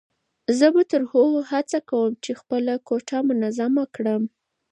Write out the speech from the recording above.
زه به تر هغو هڅه کوم چې خپله کوټه منظمه کړم.